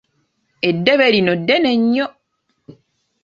Eddebe lino ddene nnyo!